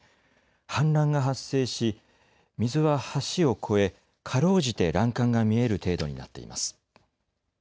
氾濫が発生し水は橋を越えかろうじて欄干が見える程度になっています。